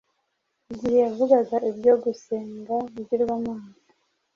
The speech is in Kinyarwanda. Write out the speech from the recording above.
igihe yavugaga ibyo gusenga ibigirwamana,